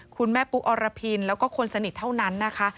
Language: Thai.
คุณแม่ปุ๊อรพินแล้วก็คนสนิทเท่านั้นนะคะ